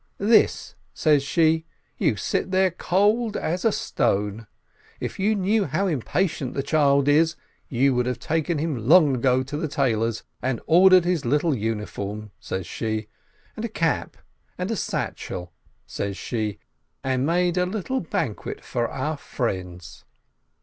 — "This," says she, "you sit there cold as a stone! If you knew how impatient the child is, you would have taken him long ago to the tailor's, and ordered his little uniform," says she, "and a cap and a satchel," says she, "and made a little banquet for our friends."